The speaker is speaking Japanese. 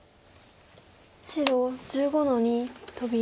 白１５の二トビ。